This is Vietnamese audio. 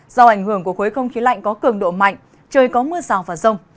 do ảnh hưởng của khối không khí lạnh có cường độ mạnh trời có mưa rào và rông